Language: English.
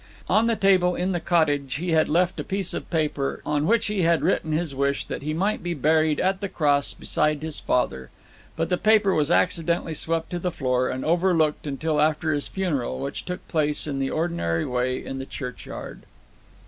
On the table in the cottage he had left a piece of paper, on which he had written his wish that he might be buried at the Cross beside his father. But the paper was accidentally swept to the floor, and overlooked till after his funeral, which took place in the ordinary way in the churchyard.